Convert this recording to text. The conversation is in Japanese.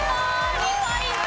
２ポイント